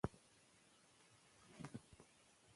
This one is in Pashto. افغانان تل د خپلې ازادۍ لپاره جنګېدلي دي.